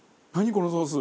このソース。